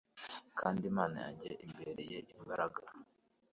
Kandi Imana yanjye imbereye imbaraga.»